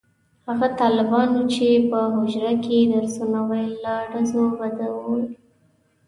هغه طالبانو چې په حجره کې درسونه ویل له ډزو بد وړل.